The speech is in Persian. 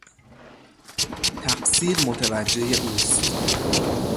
تقصیر متوجهی اوست.